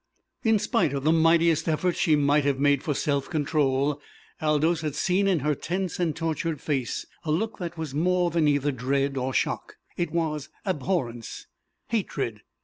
In spite of the mightiest efforts she might have made for self control Aldous had seen in her tense and tortured face a look that was more than either dread or shock it was abhorrence, hatred.